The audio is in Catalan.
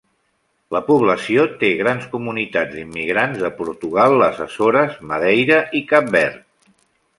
La població té grans comunitats d'immigrants de Portugal, les Açores, Madeira i Cap Verd.